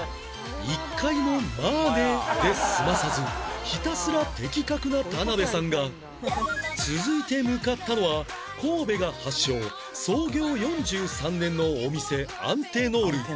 １回も「まぁね」で済まさずひたすら的確な田辺さんが続いて向かったのは神戸が発祥創業４３年のお店アンテノール